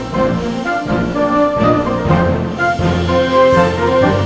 terima kasih ustaz